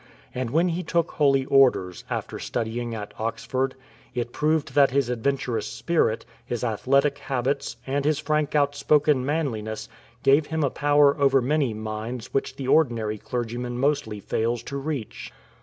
And when he took Holy Orders, after studying at Oxford, it proved that his adventurous spirit, his athletic habits, and his frank outspoken manliness gave him a power over many minds which the ordinary clergyman mostly fails to reach.